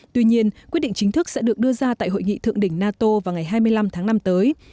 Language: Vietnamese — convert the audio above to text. tuy nhiên quyết định chính thức sẽ được đưa ra tại hội nghị thượng đỉnh nato vào ngày hai mươi năm tháng năm tới